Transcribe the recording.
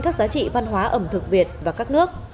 các giá trị văn hóa ẩm thực việt và các nước